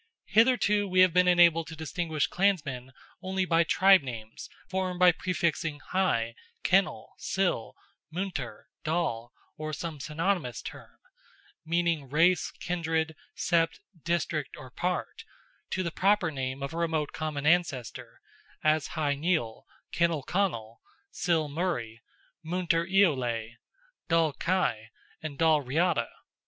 Hitherto, we have been enabled to distinguish clansmen only by tribe names formed by prefixing Hy, Kinnel, Sil, Muintir, Dal, or some synonymous term, meaning race, kindred, sept, district, or part, to the proper name of a remote common ancestor, as Hy Nial, Kinnel Connel, Sil Murray, Muintir Eolais, Dal g Cais, and Dal Riada.